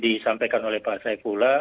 tni yang disampaikan oleh pak saefula